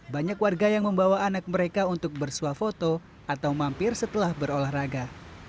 banyak warga yang membawa anak mereka untuk bersuah foto atau mampir setelah berolahraga